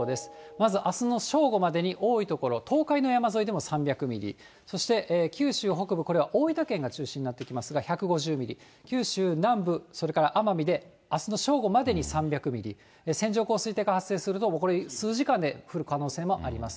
まずあすの正午までに多い所、東海の山沿いでも３００ミリ、そして九州北部、これは大分県が中心になってきますが、１５０ミリ、九州南部、それから奄美であすの正午までに３００ミリ、線状降水帯が発生すると、これ、数時間で降る可能性もあります。